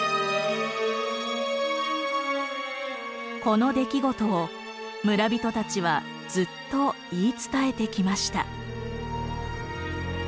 この出来事を村人たちはずっと言い伝えてきました。